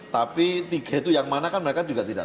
tapi tiga itu yang mana kan mereka juga tidak